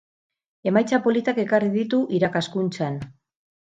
Emaitza politak ekarri ditu irakaskuntzan.